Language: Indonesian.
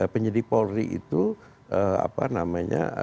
penyidik polri itu apa namanya